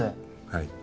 はい。